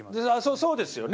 そうですよね。